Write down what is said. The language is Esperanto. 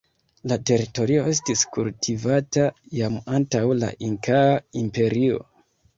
La teritorio estis kultivita jam antaŭ la Inkaa Imperio.